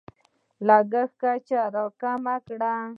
لګښت کچه راکمه کړه.